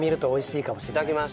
いただきます。